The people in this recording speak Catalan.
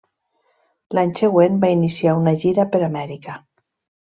L'any següent va iniciar una gira per Amèrica.